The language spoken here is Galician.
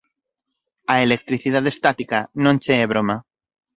A electricidade estática non che é broma.